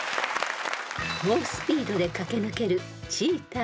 ［猛スピードで駆け抜けるチーター］